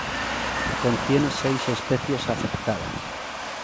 Contiene seis especies aceptadas.